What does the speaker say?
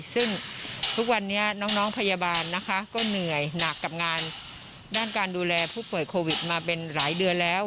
ซึ่งทุกวันนี้น้องพยาบาลนะคะก็เหนื่อยหนักกับงานด้านการดูแลผู้ป่วยโควิดมาเป็นหลายเดือนแล้ว